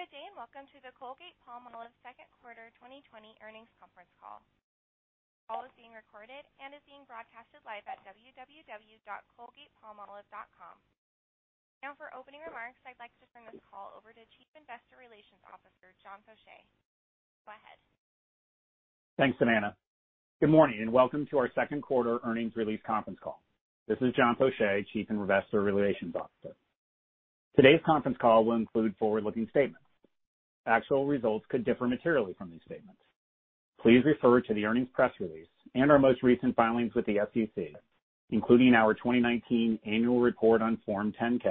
Good day, welcome to the Colgate-Palmolive second quarter 2020 earnings conference call. The call is being recorded and is being broadcasted live at www.colgatepalmolive.com. Now for opening remarks, I'd like to turn this call over to Chief Investor Relations Officer, John Faucher. Go ahead. Thanks, Savannah. Good morning, and welcome to our second quarter earnings release conference call. This is John Faucher, Chief Investor Relations Officer. Today's conference call will include forward-looking statements. Actual results could differ materially from these statements. Please refer to the earnings press release and our most recent filings with the SEC, including our 2019 annual report on Form 10-K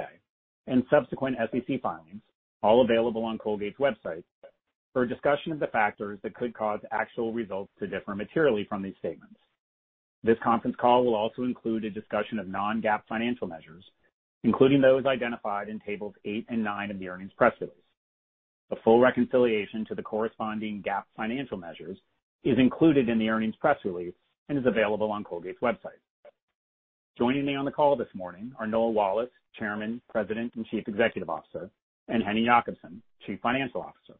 and subsequent SEC filings, all available on Colgate's website, for a discussion of the factors that could cause actual results to differ materially from these statements. This conference call will also include a discussion of non-GAAP financial measures, including those identified in tables eight and nine of the earnings press release. A full reconciliation to the corresponding GAAP financial measures is included in the earnings press release and is available on Colgate's website. Joining me on the call this morning are Noel Wallace, Chairman, President, and Chief Executive Officer, and Henning Jakobsen, Chief Financial Officer.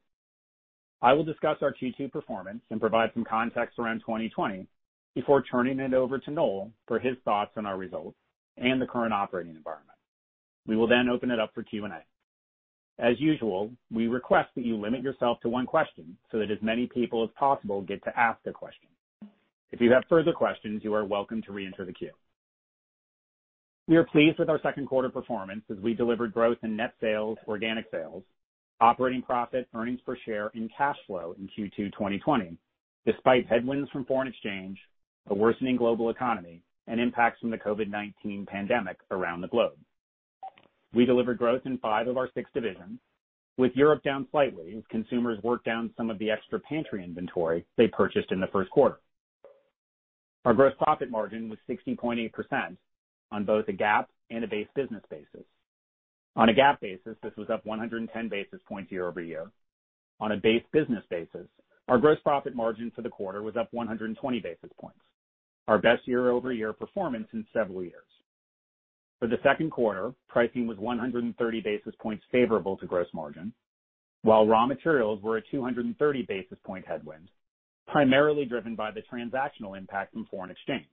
I will discuss our Q2 performance and provide some context around 2020 before turning it over to Noel for his thoughts on our results and the current operating environment. We will open it up for Q&A. As usual, we request that you limit yourself to one question so that as many people as possible get to ask a question. If you have further questions, you are welcome to reenter the queue. We are pleased with our second quarter performance as we delivered growth in net sales, organic sales, operating profit, earnings per share, and cash flow in Q2 2020. Despite headwinds from foreign exchange, a worsening global economy, and impacts from the COVID-19 pandemic around the globe. We delivered growth in five of our six divisions. With Europe down slightly as consumers worked down some of the extra pantry inventory they purchased in the first quarter. Our gross profit margin was 60.8% on both a GAAP and a base business basis. On a GAAP basis, this was up 110 basis points year-over-year. On a base business basis, our gross profit margin for the quarter was up 120 basis points. Our best year-over-year performance in several years. For the second quarter, pricing was 130 basis points favorable to gross margin, while raw materials were a 230 basis point headwind, primarily driven by the transactional impact from foreign exchange.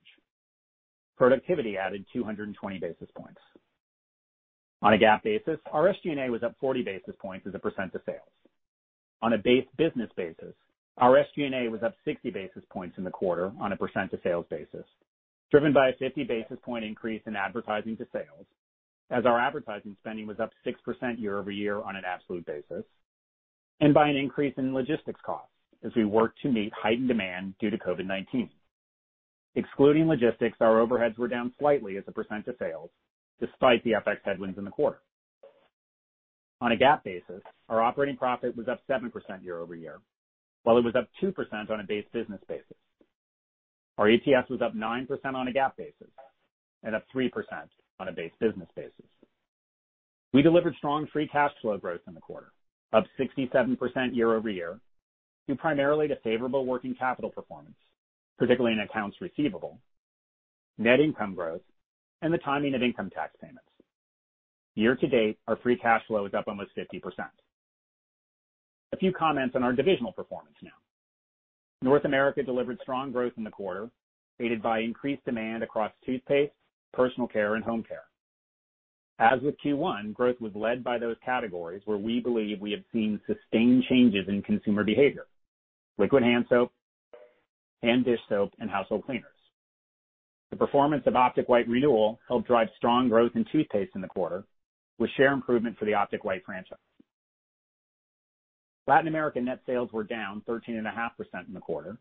Productivity added 220 basis points. On a GAAP basis, our SG&A was up 40 basis points as a percent of sales. On a base business basis, our SG&A was up 60 basis points in the quarter on a percent of sales basis, driven by a 50 basis point increase in advertising to sales. As our advertising spending was up 6% year-over-year on an absolute basis, and by an increase in logistics costs as we work to meet heightened demand due to COVID-19. Excluding logistics, our overheads were down slightly as a percent of sales despite the FX headwinds in the quarter. On a GAAP basis, our operating profit was up 7% year-over-year, while it was up 2% on a base business basis. Our EPS was up 9% on a GAAP basis and up 3% on a base business basis. We delivered strong free cash flow growth in the quarter, up 67% year-over-year due primarily to favorable working capital performance, particularly in accounts receivable, net income growth, and the timing of income tax payments. Year-to-date, our free cash flow is up almost 50%. A few comments on our divisional performance now. North America delivered strong growth in the quarter, aided by increased demand across toothpaste, personal care, and home care. As with Q1, growth was led by those categories where we believe we have seen sustained changes in consumer behavior, liquid hand soap, hand dish soap, and household cleaners. The performance of Optic White Renewal helped drive strong growth in toothpaste in the quarter with share improvement for the Optic White franchise. Latin American net sales were down 13.5% in the quarter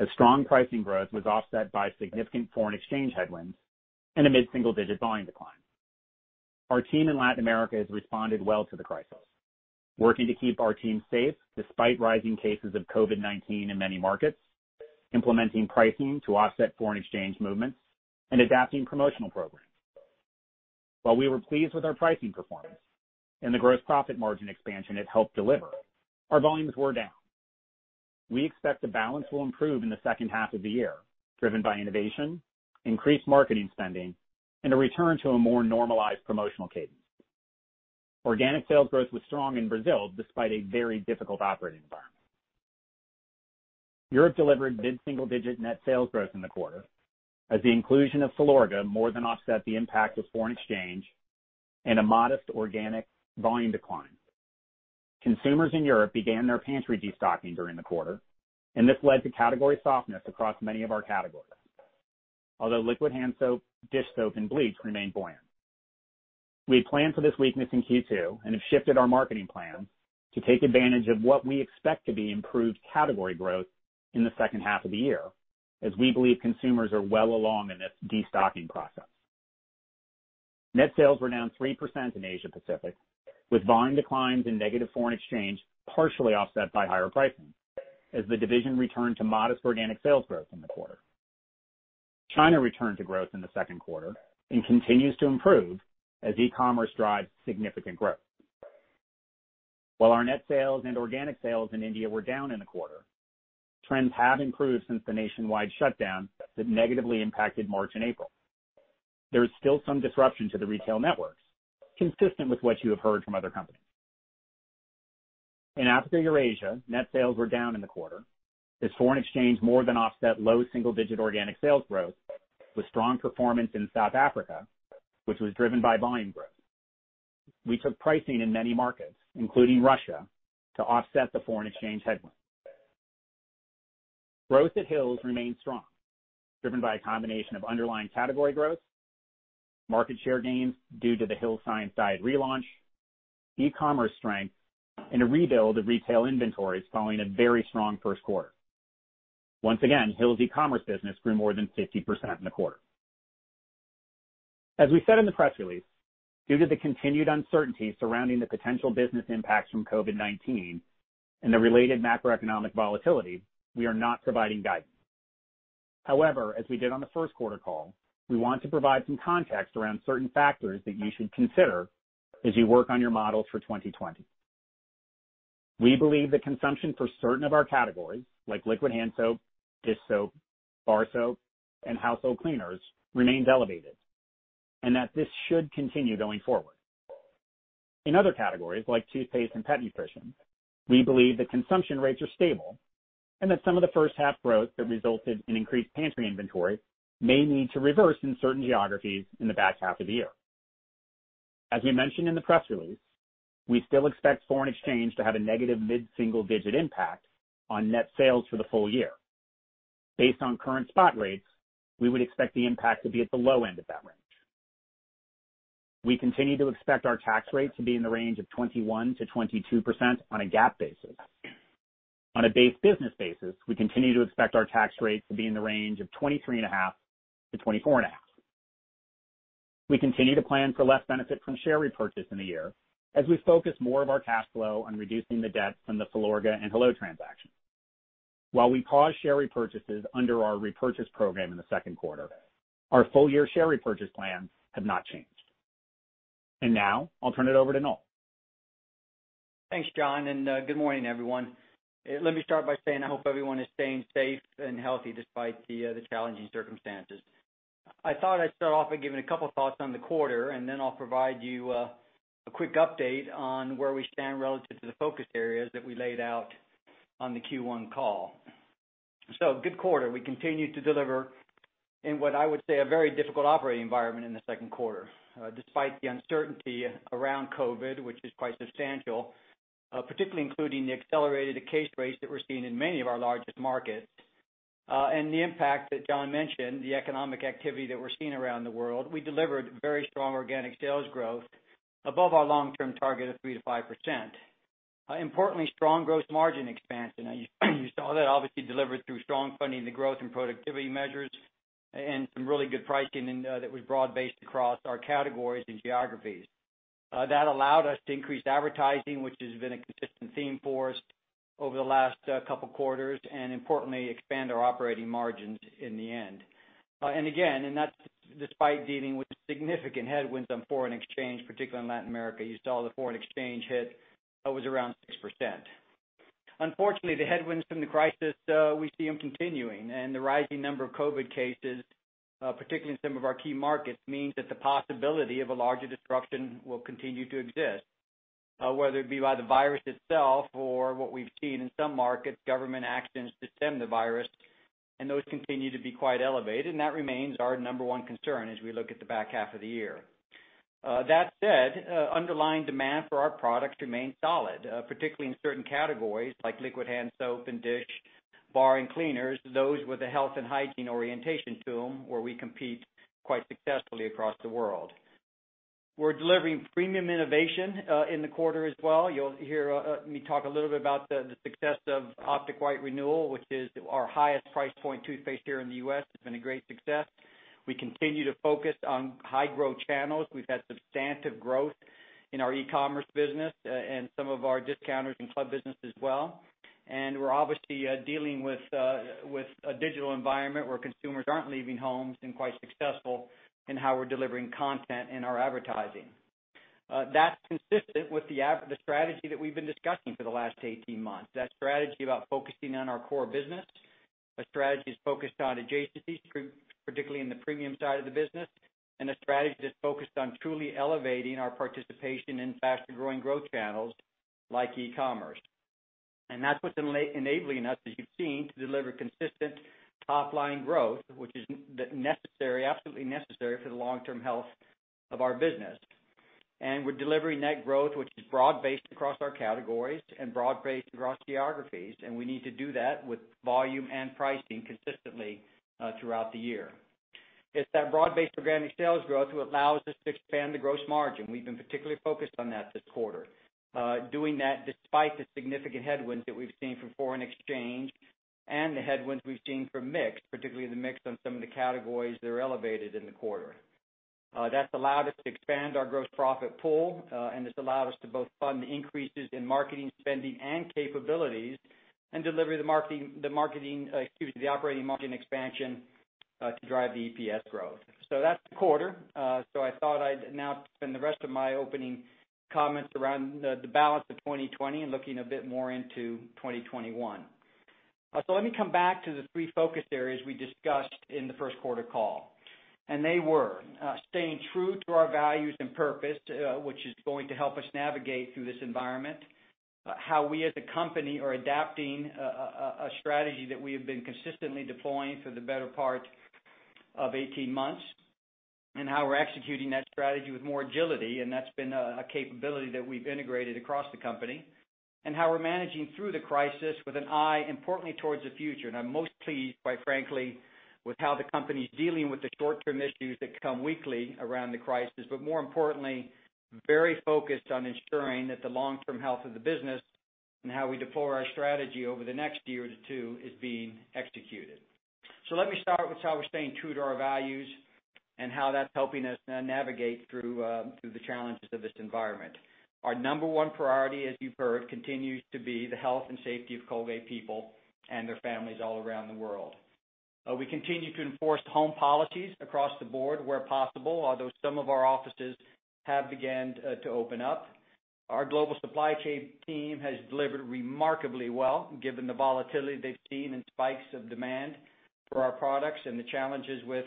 as strong pricing growth was offset by significant foreign exchange headwinds and a mid-single-digit volume decline. Our team in Latin America has responded well to the crisis, working to keep our team safe despite rising cases of COVID-19 in many markets, implementing pricing to offset foreign exchange movements, and adapting promotional programs. While we were pleased with our pricing performance and the gross profit margin expansion it helped deliver, our volumes were down. We expect the balance will improve in the second half of the year, driven by innovation, increased marketing spending, and a return to a more normalized promotional cadence. Organic sales growth was strong in Brazil despite a very difficult operating environment. Europe delivered mid-single-digit net sales growth in the quarter as the inclusion of Filorga more than offset the impact of foreign exchange and a modest organic volume decline. Consumers in Europe began their pantry destocking during the quarter. This led to category softness across many of our categories. Liquid hand soap, dish soap, and bleach remained buoyant. We had planned for this weakness in Q2 and have shifted our marketing plan to take advantage of what we expect to be improved category growth in the second half of the year as we believe consumers are well along in this destocking process. Net sales were down 3% in Asia Pacific, with volume declines in negative foreign exchange partially offset by higher pricing as the division returned to modest organic sales growth in the quarter. China returned to growth in the second quarter and continues to improve as e-commerce drives significant growth. While our net sales and organic sales in India were down in the quarter, trends have improved since the nationwide shutdown that negatively impacted March and April. There is still some disruption to the retail networks, consistent with what you have heard from other companies. In Africa Eurasia, net sales were down in the quarter as foreign exchange more than offset low single-digit organic sales growth with strong performance in South Africa, which was driven by volume growth. We took pricing in many markets, including Russia, to offset the foreign exchange headwinds. Growth at Hill's remains strong, driven by a combination of underlying category growth, market share gains due to the Hill's Science Diet relaunch, e-commerce strength, and a rebuild of retail inventories following a very strong first quarter. Once again, Hill's e-commerce business grew more than 50% in the quarter. As we said in the press release, due to the continued uncertainty surrounding the potential business impacts from COVID-19 and the related macroeconomic volatility, we are not providing guidance. However, as we did on the first quarter call, we want to provide some context around certain factors that you should consider as you work on your models for 2020. We believe that consumption for certain of our categories, like liquid hand soap, dish soap, bar soap, and household cleaners, remains elevated, and that this should continue going forward. In other categories, like toothpaste and pet nutrition, we believe that consumption rates are stable and that some of the first half growth that resulted in increased pantry inventory may need to reverse in certain geographies in the back half of the year. As we mentioned in the press release, we still expect foreign exchange to have a negative mid-single-digit impact on net sales for the full-year. Based on current spot rates, we would expect the impact to be at the low end of that range. We continue to expect our tax rate to be in the range of 21%-22% on a GAAP basis. On a base business basis, we continue to expect our tax rate to be in the range of 23.5%-24.5%. We continue to plan for less benefit from share repurchase in the year as we focus more of our cash flow on reducing the debt from the Filorga and hello transaction. While we paused share repurchases under our repurchase program in the second quarter, our full-year share repurchase plans have not changed. Now I'll turn it over to Noel. Thanks, John, and good morning, everyone. Let me start by saying I hope everyone is staying safe and healthy despite the challenging circumstances. I thought I'd start off by giving a couple of thoughts on the quarter, and then I'll provide you a quick update on where we stand relative to the focus areas that we laid out on the Q1 call. Good quarter. We continued to deliver in what I would say, a very difficult operating environment in the second quarter. Despite the uncertainty around COVID-19, which is quite substantial, particularly including the accelerated case rates that we're seeing in many of our largest markets, and the impact that John mentioned, the economic activity that we're seeing around the world, we delivered very strong organic sales growth above our long-term target of 3%-5%. Importantly, strong gross margin expansion. You saw that obviously delivered through strong funding, the growth and productivity measures, and some really good pricing that was broad-based across our categories and geographies. That allowed us to increase advertising, which has been a consistent theme for us over the last couple of quarters, and importantly, expand our operating margins in the end. Again, that's despite dealing with significant headwinds on foreign exchange, particularly in Latin America. You saw the foreign exchange hit was around 6%. Unfortunately, the headwinds from the crisis, we see them continuing, and the rising number of COVID cases, particularly in some of our key markets, means that the possibility of a larger disruption will continue to exist. Whether it be by the virus itself or what we've seen in some markets, government actions to stem the virus, and those continue to be quite elevated, and that remains our number one concern as we look at the back half of the year. That said, underlying demand for our products remains solid, particularly in certain categories like liquid hand soap and dish, bar, and cleaners, those with a health and hygiene orientation to them where we compete quite successfully across the world. We're delivering premium innovation in the quarter as well. You'll hear me talk a little bit about the success of Optic White Renewal, which is our highest price point toothpaste here in the U.S. It's been a great success. We continue to focus on high-growth channels. We've had substantive growth in our e-commerce business and some of our discounters and club business as well. We're obviously dealing with a digital environment where consumers aren't leaving homes and quite successful in how we're delivering content in our advertising. That's consistent with the strategy that we've been discussing for the last 18 months. That strategy about focusing on our core business, a strategy that's focused on adjacencies, particularly in the premium side of the business, and a strategy that's focused on truly elevating our participation in faster-growing growth channels like e-commerce. That's what's enabling us, as you've seen, to deliver consistent top-line growth, which is absolutely necessary for the long-term health of our business. We're delivering net growth, which is broad-based across our categories and broad-based across geographies, and we need to do that with volume and pricing consistently throughout the year. It's that broad-based organic sales growth that allows us to expand the gross margin. We've been particularly focused on that this quarter. Doing that despite the significant headwinds that we've seen from foreign exchange and the headwinds we've seen from mix, particularly the mix on some of the categories that are elevated in the quarter. That's allowed us to expand our gross profit pool, and it's allowed us to both fund the increases in marketing spending and capabilities and deliver the operating margin expansion to drive the EPS growth. That's the quarter. I thought I'd now spend the rest of my opening comments around the balance of 2020 and looking a bit more into 2021. Let me come back to the three focus areas we discussed in the first quarter call. They were staying true to our values and purpose, which is going to help us navigate through this environment. How we as a company are adapting a strategy that we have been consistently deploying for the better part of 18 months, and how we're executing that strategy with more agility. That's been a capability that we've integrated across the company. How we're managing through the crisis with an eye importantly towards the future. I'm most pleased, quite frankly, with how the company's dealing with the short-term issues that come weekly around the crisis, but more importantly, very focused on ensuring that the long-term health of the business and how we deploy our strategy over the next year to two is being executed. Let me start with how we're staying true to our values and how that's helping us navigate through the challenges of this environment. Our number one priority, as you've heard, continues to be the health and safety of Colgate people and their families all around the world. We continue to enforce home policies across the board where possible, although some of our offices have began to open up. Our global supply chain team has delivered remarkably well, given the volatility they've seen in spikes of demand for our products and the challenges with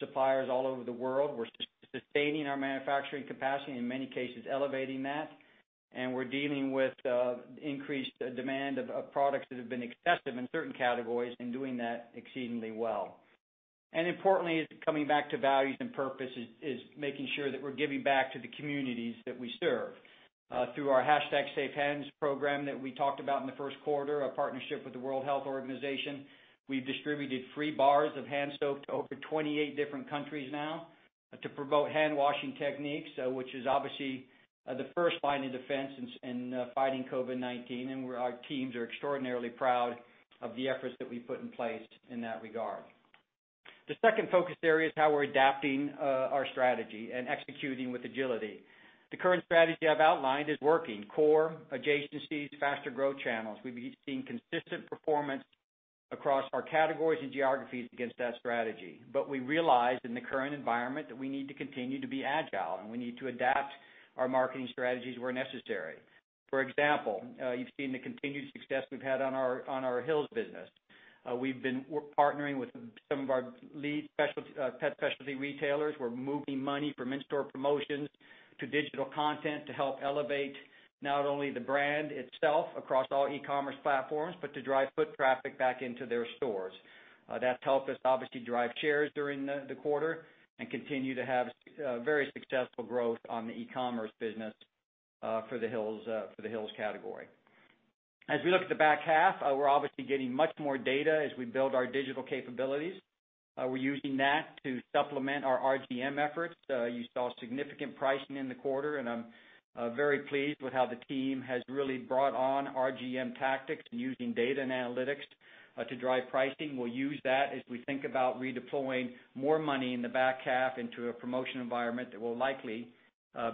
suppliers all over the world. We're sustaining our manufacturing capacity, in many cases elevating that, and we're dealing with increased demand of products that have been excessive in certain categories and doing that exceedingly well. Importantly, coming back to values and purpose is making sure that we're giving back to the communities that we serve. Through our #SafeHands program that we talked about in the first quarter, a partnership with the World Health Organization, we've distributed free bars of hand soap to over 28 different countries now to promote handwashing techniques, which is obviously the first line of defense in fighting COVID-19. Our teams are extraordinarily proud of the efforts that we've put in place in that regard. The second focus area is how we're adapting our strategy and executing with agility. The current strategy I've outlined is working. Core, adjacencies, faster growth channels. We've been seeing consistent performance across our categories and geographies against that strategy. We realized in the current environment that we need to continue to be agile, and we need to adapt our marketing strategies where necessary. For example, you've seen the continued success we've had on our Hill's business. We've been partnering with some of our lead pet specialty retailers. We're moving money from in-store promotions to digital content to help elevate not only the brand itself across all e-commerce platforms, but to drive foot traffic back into their stores. That's helped us obviously drive shares during the quarter and continue to have very successful growth on the e-commerce business for the Hill's category. As we look at the back half, we're obviously getting much more data as we build our digital capabilities. We're using that to supplement our RGM efforts. You saw significant pricing in the quarter, and I'm very pleased with how the team has really brought on RGM tactics and using data and analytics to drive pricing. We'll use that as we think about redeploying more money in the back half into a promotion environment that will likely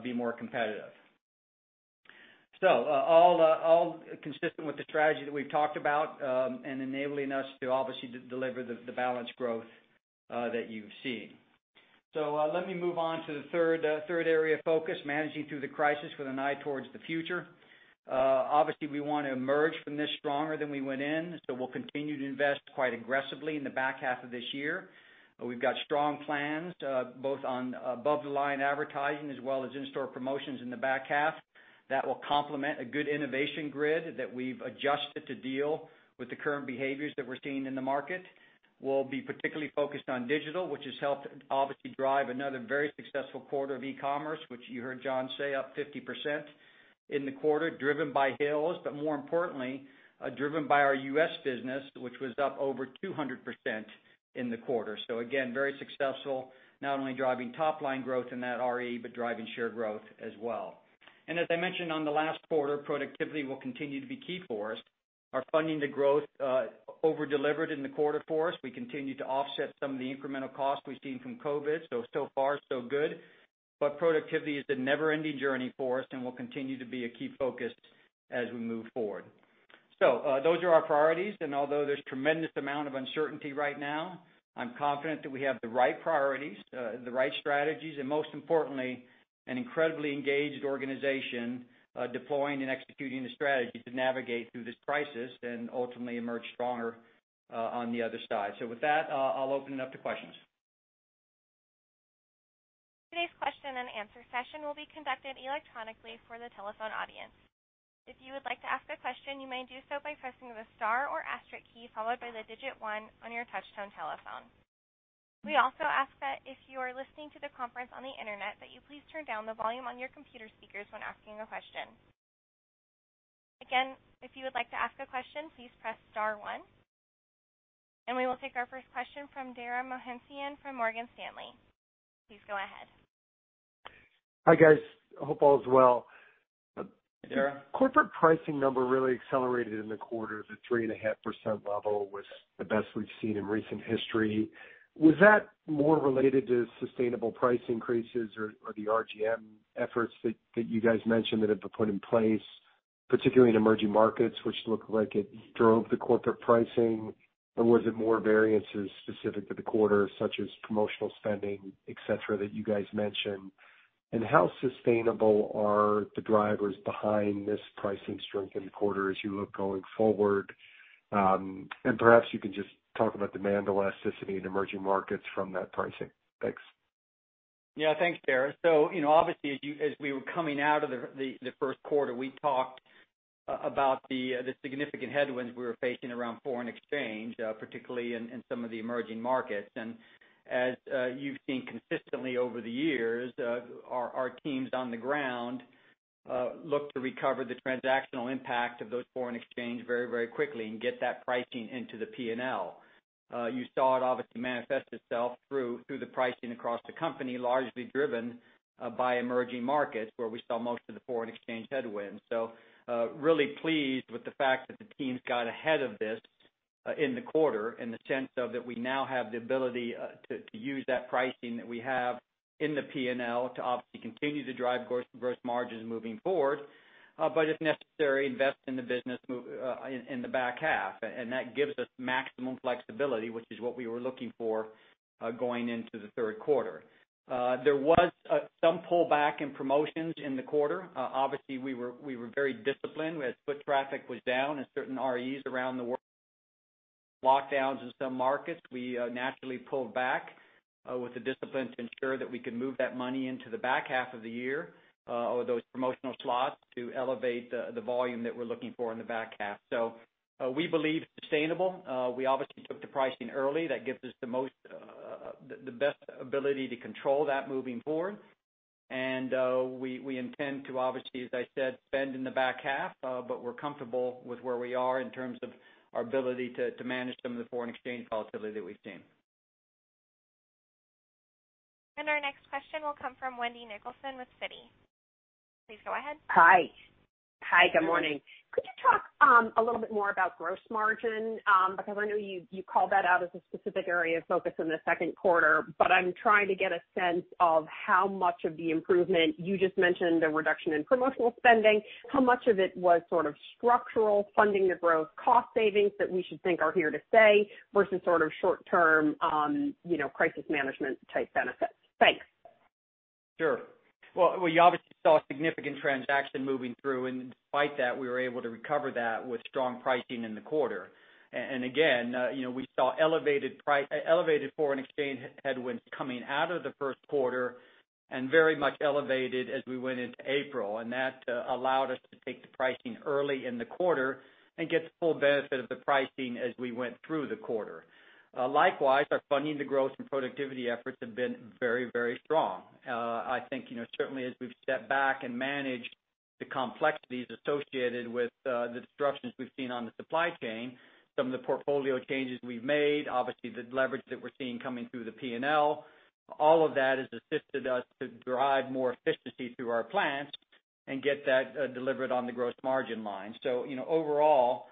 be more competitive. All consistent with the strategy that we've talked about, and enabling us to obviously deliver the balanced growth that you've seen. Let me move on to the third area of focus, managing through the crisis with an eye towards the future. Obviously, we want to emerge from this stronger than we went in, so we'll continue to invest quite aggressively in the back half of this year. We've got strong plans both on above-the-line advertising as well as in-store promotions in the back half that will complement a good innovation grid that we've adjusted to deal with the current behaviors that we're seeing in the market. We'll be particularly focused on digital, which has helped obviously drive another very successful quarter of e-commerce, which you heard John say, up 50% in the quarter, driven by Hill's. More importantly, driven by our U.S. business, which was up over 200% in the quarter. Again, very successful, not only driving top-line growth in that RE, but driving share growth as well. As I mentioned on the last quarter, productivity will continue to be key for us. Our funding to growth over-delivered in the quarter for us. We continue to offset some of the incremental costs we've seen from COVID. So far, so good. Productivity is a never-ending journey for us and will continue to be a key focus as we move forward. Those are our priorities, and although there's tremendous amount of uncertainty right now, I'm confident that we have the right priorities, the right strategies, and most importantly, an incredibly engaged organization deploying and executing the strategies to navigate through this crisis and ultimately emerge stronger on the other side. With that, I'll open it up to questions. Today's question-and-answer session will be conducted electronically for the telephone audience. If you would like to ask a question, you may do so by pressing the star or asterisk key followed by the digit one on your touch-tone telephone. We also ask that if you are listening to the conference on the internet, that you please turn down the volume on your computer speakers when asking a question. Again, if you would like to ask a question, please press star one. We will take our first question from Dara Mohsenian from Morgan Stanley. Please go ahead. Hi, guys. Hope all is well. Hi, Dara. Corporate pricing number really accelerated in the quarter. The 3.5% level was the best we've seen in recent history. Was that more related to sustainable price increases or the RGM efforts that you guys mentioned that have been put in place, particularly in emerging markets, which looked like it drove the corporate pricing? Was it more variances specific to the quarter, such as promotional spending, et cetera, that you guys mentioned? How sustainable are the drivers behind this pricing strength in the quarter as you look going forward? Perhaps you can just talk about demand elasticity in emerging markets from that pricing. Thanks. Yeah. Thanks, Dara. Obviously, as we were coming out of the first quarter, we talked about the significant headwinds we were facing around foreign exchange, particularly in some of the emerging markets. As you've seen consistently over the years, our teams on the ground look to recover the transactional impact of those foreign exchange very quickly and get that pricing into the P&L. You saw it obviously manifest itself through the pricing across the company, largely driven by emerging markets, where we saw most of the foreign exchange headwinds. Really pleased with the fact that the teams got ahead of this in the quarter in the sense of that we now have the ability to use that pricing that we have in the P&L to obviously continue to drive gross margins moving forward, but if necessary, invest in the business in the back half. That gives us maximum flexibility, which is what we were looking for going into the third quarter. There was some pullback in promotions in the quarter. Obviously, we were very disciplined. As foot traffic was down in certain REs around the world, lockdowns in some markets, we naturally pulled back with the discipline to ensure that we could move that money into the back half of the year, or those promotional slots, to elevate the volume that we're looking for in the back half. We believe sustainable. We obviously took the pricing early. That gives us the best ability to control that moving forward. We intend to obviously, as I said, spend in the back half. We're comfortable with where we are in terms of our ability to manage some of the foreign exchange volatility that we've seen. Our next question will come from Wendy Nicholson with Citi. Please go ahead. Hi. Good morning. Could you talk a little bit more about gross margin? I know you called that out as a specific area of focus in the second quarter, but I'm trying to get a sense of how much of the improvement. You just mentioned the reduction in promotional spending. How much of it was sort of structural funding the growth cost savings that we should think are here to stay versus sort of short term, crisis management type benefits? Thanks. Sure. Well, you obviously saw a significant transaction moving through. Despite that, we were able to recover that with strong pricing in the quarter. Again, we saw elevated foreign exchange headwinds coming out of the first quarter and very much elevated as we went into April. That allowed us to take the pricing early in the quarter and get the full benefit of the pricing as we went through the quarter. Likewise, our funding, the growth and productivity efforts have been very strong. I think certainly as we've stepped back and managed the complexities associated with the disruptions we've seen on the supply chain, some of the portfolio changes we've made, obviously the leverage that we're seeing coming through the P&L, all of that has assisted us to drive more efficiency through our plants and get that delivered on the gross margin line. Overall,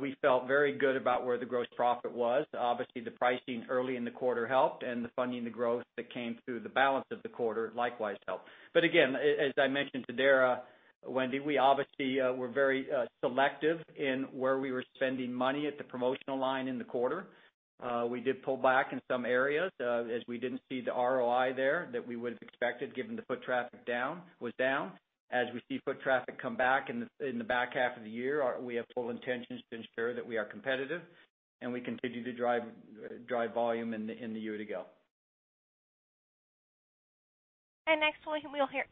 we felt very good about where the gross profit was. Obviously, the pricing early in the quarter helped, and the funding, the growth that came through the balance of the quarter likewise helped. Again, as I mentioned to Dara, Wendy, we obviously were very selective in where we were spending money at the promotional line in the quarter. We did pull back in some areas, as we didn't see the ROI there that we would have expected given the foot traffic was down. As we see foot traffic come back in the back half of the year, we have full intentions to ensure that we are competitive and we continue to drive volume in the year to go. Next,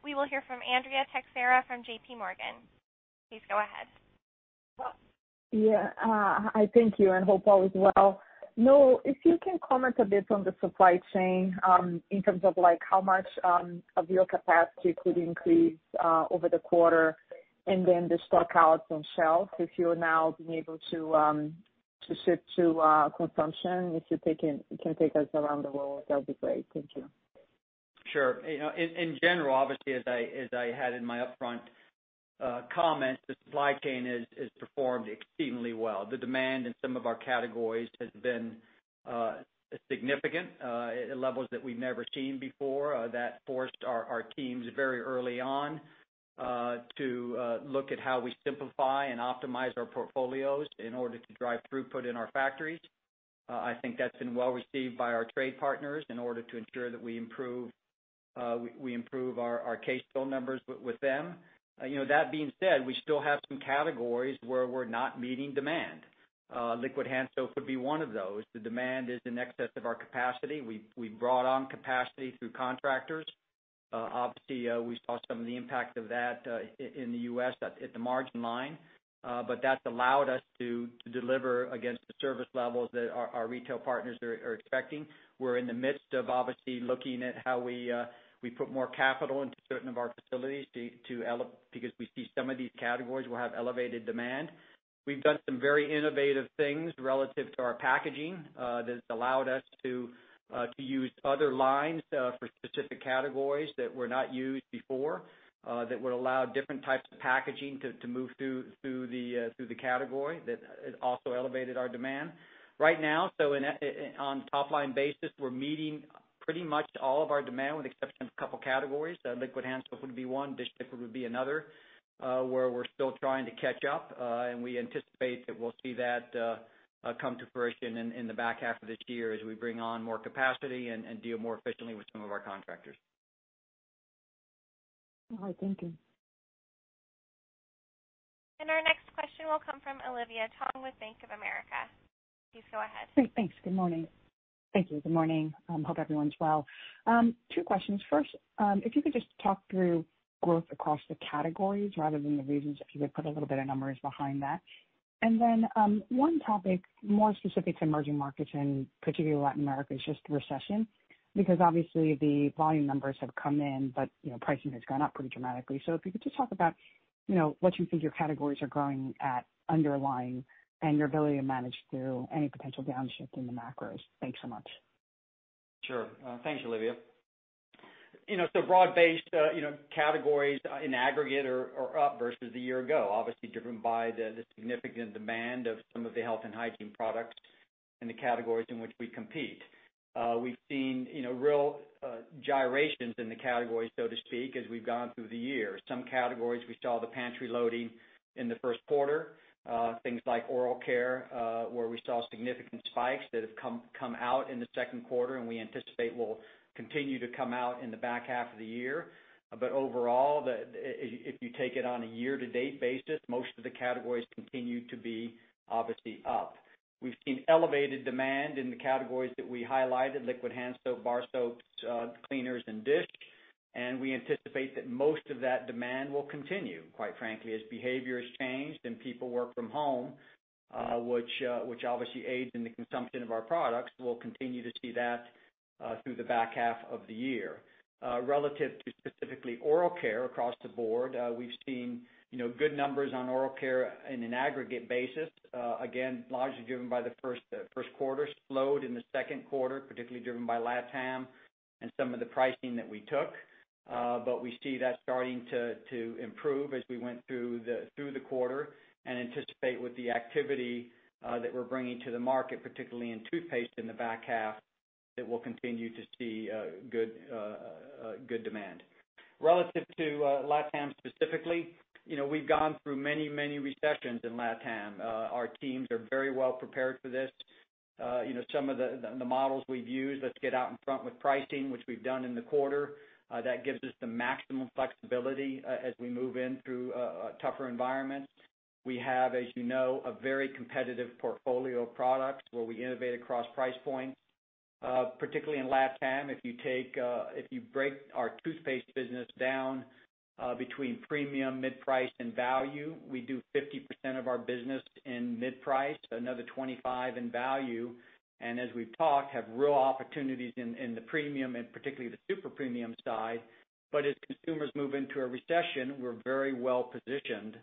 we will hear from Andrea Teixeira from JPMorgan. Please go ahead. Yeah. Hi, thank you, and hope all is well. Noel, if you can comment a bit on the supply chain, in terms of how much of your capacity could increase over the quarter and then the stock outs on shelves, if you're now being able to ship to consumption, if you can take us around the world, that'd be great. Thank you. Sure. In general, obviously, as I had in my upfront comments, the supply chain has performed exceedingly well. The demand in some of our categories has been significant at levels that we've never seen before. That forced our teams very early on to look at how we simplify and optimize our portfolios in order to drive throughput in our factories. I think that's been well received by our trade partners in order to ensure that we improve our case fill numbers with them. That being said, we still have some categories where we're not meeting demand. Liquid hand soap would be one of those. The demand is in excess of our capacity. We brought on capacity through contractors. Obviously, we saw some of the impact of that in the U.S. at the margin line. That's allowed us to deliver against the service levels that our retail partners are expecting. We're in the midst of obviously looking at how we put more capital into certain of our facilities because we see some of these categories will have elevated demand. We've done some very innovative things relative to our packaging that has allowed us to use other lines for specific categories that were not used before that would allow different types of packaging to move through the category. That has also elevated our demand. Right now, on a top-line basis, we're meeting pretty much all of our demand with the exception of a couple categories. Liquid hand soap would be one, dish soap would be another, where we're still trying to catch up. We anticipate that we'll see that come to fruition in the back half of this year as we bring on more capacity and deal more efficiently with some of our contractors. All right. Thank you. Our next question will come from Olivia Tong with Bank of America. Please go ahead. Thanks. Good morning. Hope everyone's well. Two questions. First, if you could just talk through growth across the categories rather than the regions, if you would put a little bit of numbers behind that. One topic more specific to emerging markets, in particular Latin America, is just recession, because obviously the volume numbers have come in, but pricing has gone up pretty dramatically. If you could just talk about what you think your categories are growing at underlying and your ability to manage through any potential downshift in the macros. Thanks so much. Sure. Thanks, Olivia. Broad-based categories in aggregate are up versus the year ago, obviously driven by the significant demand of some of the health and hygiene products in the categories in which we compete. We've seen real gyrations in the categories, so to speak, as we've gone through the year. Some categories, we saw the pantry loading in the first quarter. Things like oral care, where we saw significant spikes that have come out in the second quarter, and we anticipate will continue to come out in the back half of the year. Overall, if you take it on a year-to-date basis, most of the categories continue to be obviously up. We've seen elevated demand in the categories that we highlighted, liquid hand soap, bar soaps, cleaners, and dish, and we anticipate that most of that demand will continue, quite frankly, as behavior has changed and people work from home, which obviously aids in the consumption of our products. We'll continue to see that through the back half of the year. Relative to specifically oral care across the board, we've seen good numbers on oral care in an aggregate basis. Again, largely driven by the first quarter slowed in the second quarter, particularly driven by LatAm and some of the pricing that we took. We see that starting to improve as we went through the quarter, and anticipate with the activity that we're bringing to the market, particularly in toothpaste in the back half, that we'll continue to see good demand. Relative to LatAm specifically, we've gone through many recessions in LatAm. Our teams are very well prepared for this. Some of the models we've used, let's get out in front with pricing, which we've done in the quarter. That gives us the maximum flexibility as we move in through a tougher environment. We have, as you know, a very competitive portfolio of products where we innovate across price points. Particularly in LatAm, if you break our toothpaste business down between premium, mid-price, and value, we do 50% of our business in mid-price, another 25 in value, and as we've talked, have real opportunities in the premium and particularly the super premium side. As consumers move into a recession, we're very well-positioned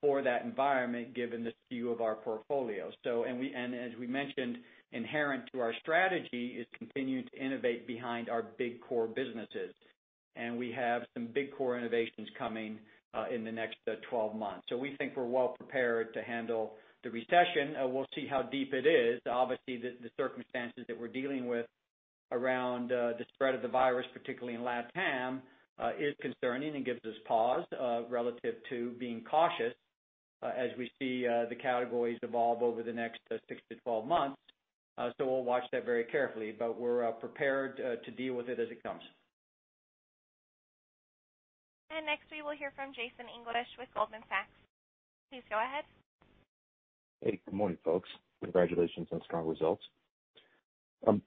for that environment given the skew of our portfolio. As we mentioned, inherent to our strategy is continuing to innovate behind our big core businesses, and we have some big core innovations coming in the next 12 months. We think we're well prepared to handle the recession. We'll see how deep it is. Obviously, the circumstances that we're dealing with around the spread of the virus, particularly in LatAm, is concerning and gives us pause relative to being cautious as we see the categories evolve over the next six to 12 months. We'll watch that very carefully, but we're prepared to deal with it as it comes. Next, we will hear from Jason English with Goldman Sachs. Please go ahead. Hey, good morning, folks. Congratulations on strong results. Thanks.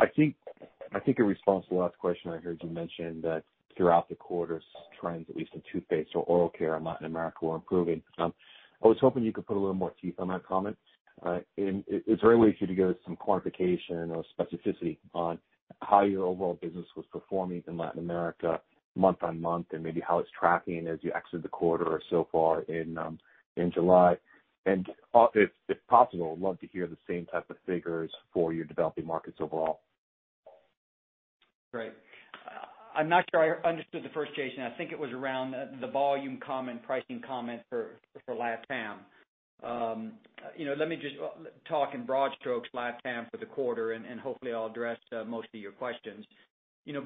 I think in response to the last question, I heard you mention that throughout the quarter's trends, at least in toothpaste or oral care in Latin America, were improving. I was hoping you could put a little more teeth on that comment. Is there any way for you to give us some quantification or specificity on how your overall business was performing in Latin America month-on-month, and maybe how it's tracking as you exit the quarter or so far in July? If possible, I would love to hear the same type of figures for your developing markets overall. Great. I'm not sure I understood the first, Jason. I think it was around the volume comment, pricing comment for LatAm. Let me just talk in broad strokes LatAm for the quarter, and hopefully I'll address most of your questions.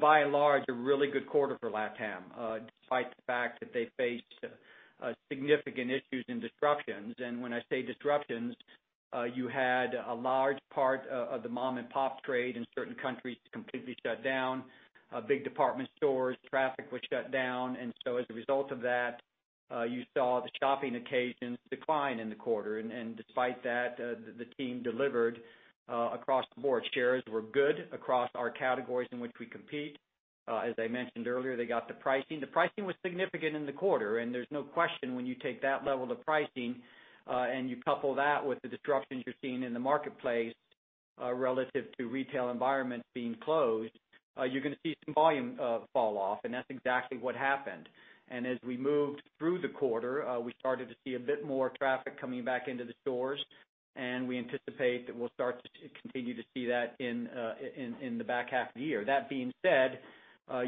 By and large, a really good quarter for LatAm, despite the fact that they faced significant issues and disruptions. When I say disruptions, you had a large part of the mom-and-pop trade in certain countries completely shut down. Big department stores, traffic was shut down, and so as a result of that, you saw the shopping occasions decline in the quarter. Despite that, the team delivered across the board. Shares were good across our categories in which we compete. As I mentioned earlier, they got the pricing. The pricing was significant in the quarter, and there's no question when you take that level of pricing and you couple that with the disruptions you're seeing in the marketplace relative to Retail Environments being closed, you're going to see some volume fall off, and that's exactly what happened. As we moved through the quarter. We started to see a bit more traffic coming back into the stores, and we anticipate that we'll start to continue to see that in the back half of the year. That being said,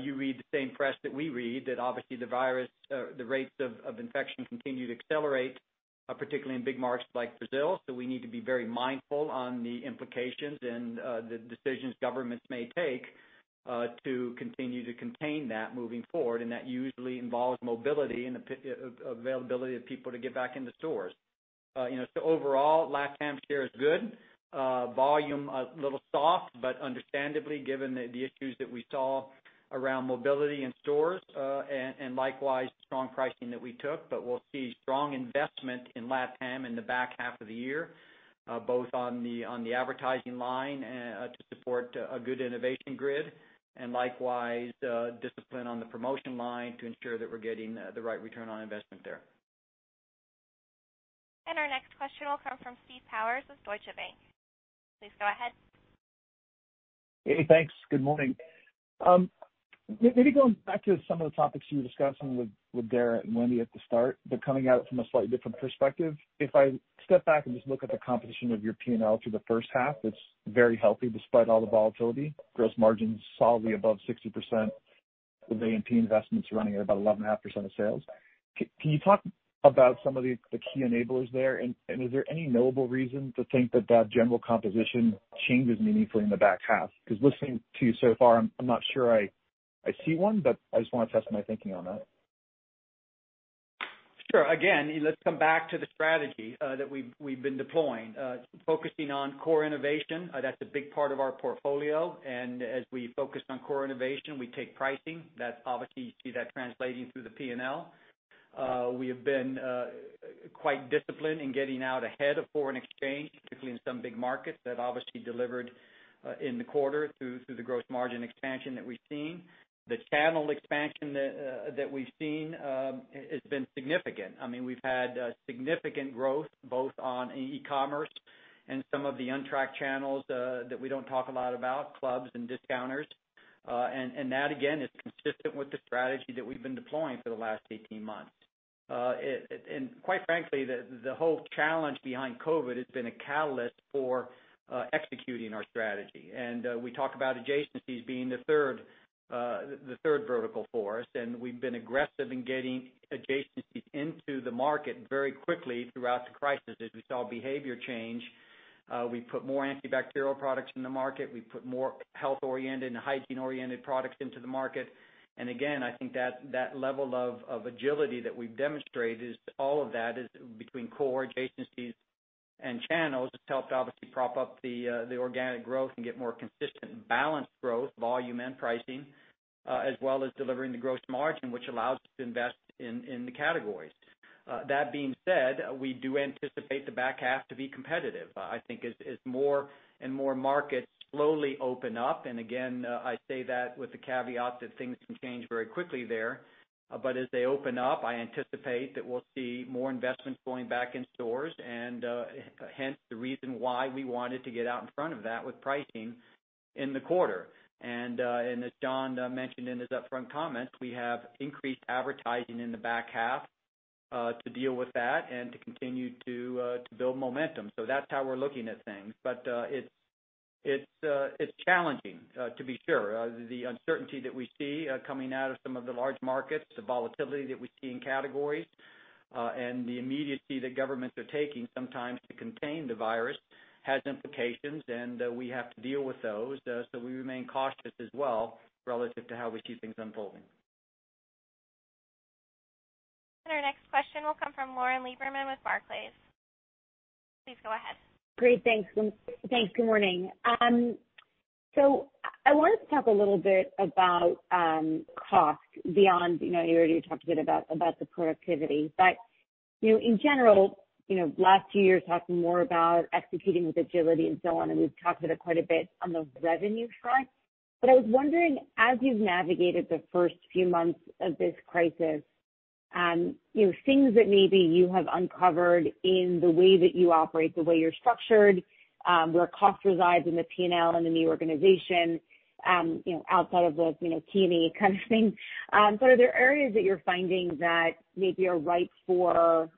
you read the same press that we read, that obviously the rates of infection continue to accelerate, particularly in big markets like Brazil. We need to be very mindful on the implications and the decisions governments may take to continue to contain that moving forward, and that usually involves mobility and availability of people to get back into stores. Overall, LatAm share is good. Volume, a little soft, but understandably, given the issues that we saw around mobility in stores, and likewise, strong pricing that we took. We'll see strong investment in LatAm in the back half of the year, both on the advertising line to support a good innovation grid and likewise, discipline on the promotion line to ensure that we're getting the right return on investment there. Our next question will come from Steve Powers with Deutsche Bank. Please go ahead. Hey, thanks. Good morning. Maybe going back to some of the topics you were discussing with Dara and Wendy at the start, coming at it from a slightly different perspective. If I step back and just look at the composition of your P&L through the first half, it's very healthy despite all the volatility. Gross margins solidly above 60% with A&P investments running at about 11.5% of sales. Can you talk about some of the key enablers there? Is there any knowable reason to think that general composition changes meaningfully in the back half? Listening to you so far, I'm not sure I see one, I just want to test my thinking on that. Sure. Let's come back to the strategy that we've been deploying. Focusing on core innovation, that's a big part of our portfolio. As we focus on core innovation, we take pricing. That's obviously, you see that translating through the P&L. We have been quite disciplined in getting out ahead of foreign exchange, particularly in some big markets that obviously delivered in the quarter through the gross margin expansion that we've seen. The channel expansion that we've seen has been significant. We've had significant growth both on e-commerce and some of the untracked channels that we don't talk a lot about, clubs and discounters. That, again, is consistent with the strategy that we've been deploying for the last 18 months. Quite frankly, the whole challenge behind COVID has been a catalyst for executing our strategy. We talk about adjacencies being the third vertical for us, and we've been aggressive in getting adjacencies into the market very quickly throughout the crisis. As we saw behavior change, we put more antibacterial products in the market. We put more health-oriented and hygiene-oriented products into the market. Again, I think that level of agility that we've demonstrated is all of that, is between core adjacencies and channels, has helped obviously prop up the organic growth and get more consistent balanced growth, volume, and pricing, as well as delivering the gross margin, which allows us to invest in the categories. That being said, we do anticipate the back half to be competitive. I think as more and more markets slowly open up, and again, I say that with the caveat that things can change very quickly there. As they open up, I anticipate that we'll see more investments going back in stores and hence the reason why we wanted to get out in front of that with pricing in the quarter. As John mentioned in his upfront comments, we have increased advertising in the back half to deal with that and to continue to build momentum. That's how we're looking at things. It's challenging to be sure. The uncertainty that we see coming out of some of the large markets, the volatility that we see in categories. The immediacy that governments are taking sometimes to contain the virus has implications, and we have to deal with those. We remain cautious as well, relative to how we see things unfolding. Our next question will come from Lauren Lieberman with Barclays. Please go ahead. Great. Thanks. Good morning. I wanted to talk a little bit about cost beyond, you already talked a bit about the productivity. In general, last two years, talking more about executing with agility and so on, and we've talked about it quite a bit on the revenue side. I was wondering, as you've navigated the first few months of this crisis, things that maybe you have uncovered in the way that you operate, the way you're structured, where cost resides in the P&L and in the organization, outside of the T&E kind of thing. Are there areas that you're finding that maybe are ripe for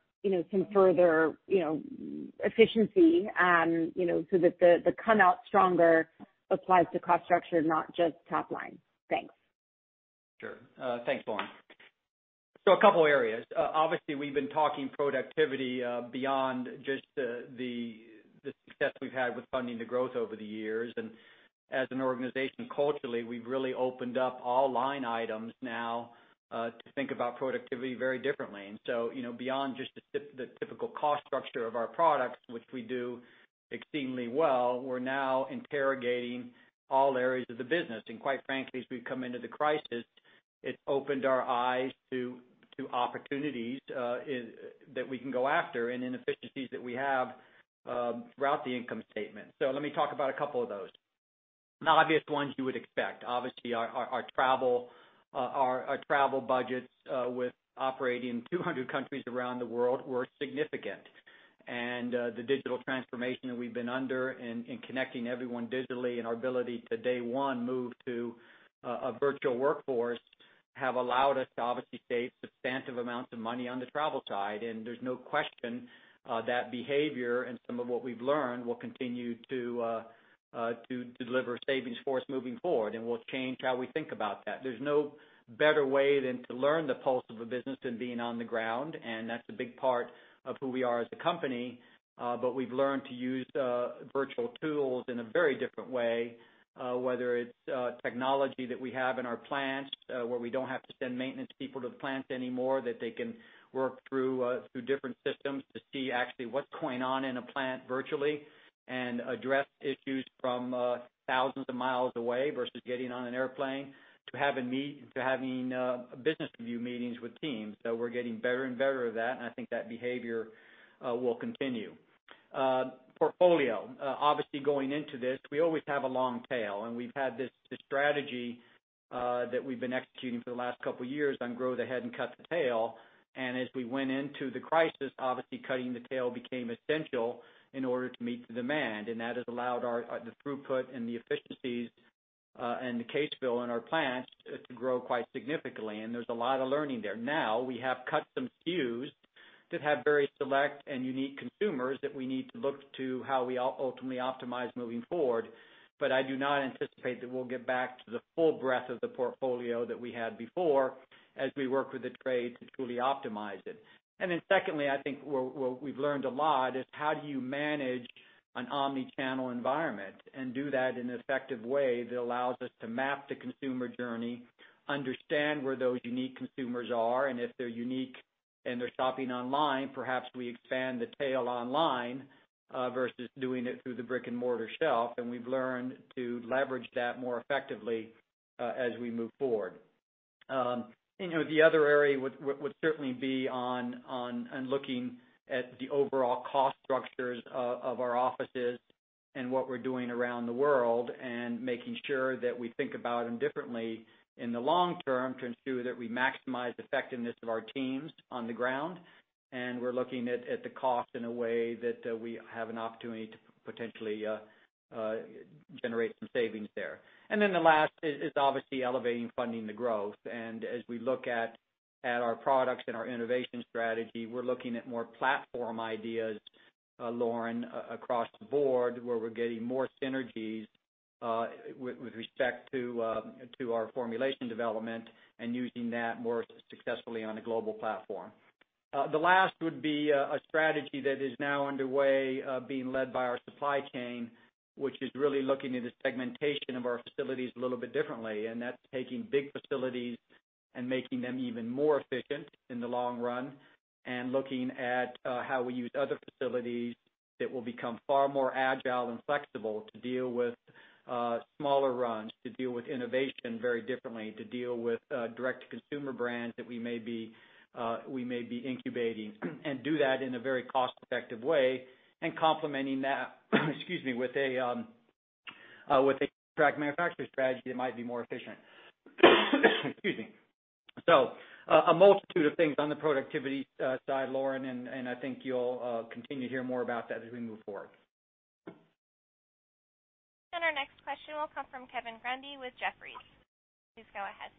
some further efficiency, so that the come out stronger applies to cost structure, not just top line? Thanks. Sure. Thanks, Lauren. A couple areas. Obviously, we've been talking productivity, beyond just the success we've had with funding the growth over the years. As an organization, culturally, we've really opened up all line items now to think about productivity very differently. Beyond just the typical cost structure of our products, which we do extremely well, we're now interrogating all areas of the business. Quite frankly, as we've come into the crisis, it's opened our eyes to opportunities that we can go after and inefficiencies that we have throughout the income statement. Let me talk about a couple of those. The obvious ones you would expect. Obviously, our travel budgets, with operating in 200 countries around the world, were significant. The digital transformation that we've been under and connecting everyone digitally and our ability to day one move to a virtual workforce have allowed us to obviously save substantive amounts of money on the travel side. There's no question that behavior and some of what we've learned will continue to deliver savings for us moving forward and will change how we think about that. There's no better way than to learn the pulse of a business than being on the ground, and that's a big part of who we are as a company. We've learned to use virtual tools in a very different way, whether it's technology that we have in our plants where we don't have to send maintenance people to the plants anymore, that they can work through different systems to see actually what's going on in a plant virtually and address issues from thousands of miles away versus getting on an airplane to having business review meetings with teams. We're getting better and better at that, and I think that behavior will continue. Portfolio. Obviously going into this, we always have a long tail, and we've had this strategy that we've been executing for the last couple of years on grow the head and cut the tail. As we went into the crisis, obviously cutting the tail became essential in order to meet the demand. That has allowed the throughput and the efficiencies, and the case fill in our plants to grow quite significantly. There's a lot of learning there. Now, we have cut some SKUs that have very select and unique consumers that we need to look to how we ultimately optimize moving forward. I do not anticipate that we'll get back to the full breadth of the portfolio that we had before as we work with the trade to truly optimize it. Then secondly, I think where we've learned a lot is how do you manage an omni-channel environment and do that in an effective way that allows us to map the consumer journey, understand where those unique consumers are. If they're unique and they're shopping online, perhaps we expand the tail online, versus doing it through the brick-and-mortar shelf. We've learned to leverage that more effectively, as we move forward. The other area would certainly be on looking at the overall cost structures of our offices and what we're doing around the world, and making sure that we think about them differently in the long term to ensure that we maximize the effectiveness of our teams on the ground. We're looking at the cost in a way that we have an opportunity to potentially generate some savings there. The last is obviously elevating funding the growth. As we look at our products and our innovation strategy, we're looking at more platform ideas, Lauren, across the board, where we're getting more synergies with respect to our formulation development and using that more successfully on a global platform. The last would be a strategy that is now underway, being led by our supply chain, which is really looking at the segmentation of our facilities a little bit differently. That's taking big facilities and making them even more efficient in the long run, and looking at how we use other facilities that will become far more agile and flexible to deal with smaller runs, to deal with innovation very differently, to deal with direct-to-consumer brands that we may be incubating and do that in a very cost-effective way and complementing that, excuse me, with a contract manufacturer strategy that might be more efficient. Excuse me. A multitude of things on the productivity side, Lauren, and I think you'll continue to hear more about that as we move forward. Our next question will come from Kevin Grundy with Jefferies. Please go ahead.